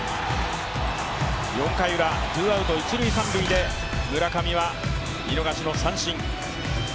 ４回ウラ、ツーアウト一・三塁で村上は見逃しの三振。